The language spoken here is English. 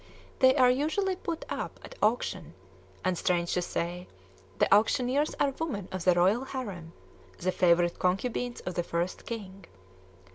They are usually put up at auction; and, strange to say, the auctioneers are women of the royal harem, the favorite concubines of the First King.